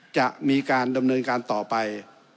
จะมีการดำเนินการต่อไป